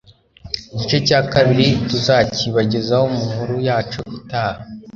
igice cya kabiri tuzakibagezaho mu nkuru yacu itaha